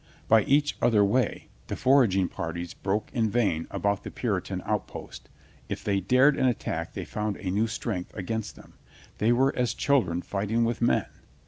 By each other way the foraging parties broke in vain about the Puri tan outposts. If they dared ,an attack they found a new strength against them. They were as chil dren fighting with men.